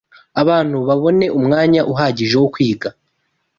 abantu babone umwanya uhagije wo kwiga